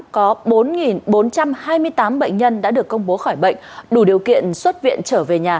có bốn bốn trăm hai mươi tám bệnh nhân đã được công bố khỏi bệnh đủ điều kiện xuất viện trở về nhà